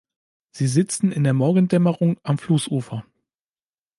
Sie sitzen in der Morgendämmerung am Flussufer.